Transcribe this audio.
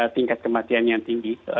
tingkat kematian yang tinggi